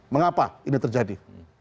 mengapa ini terjadi